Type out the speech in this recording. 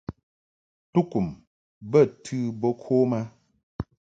Tukum bə tɨ bo kom a .